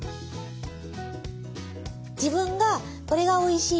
自分がこれがおいしい